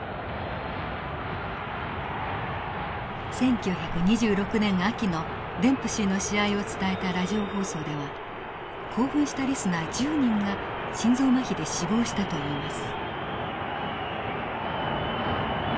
１９２６年秋のデンプシーの試合を伝えたラジオ放送では興奮したリスナー１０人が心臓まひで死亡したといいます。